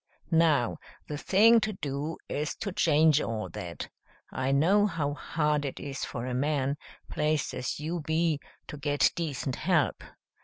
Now, the thing to do is to change all that. I know how hard it is for a man, placed as you be, to get decent help.